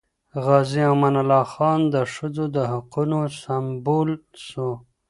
غازي امان الله خان د ښځو د حقونو سمبول سو.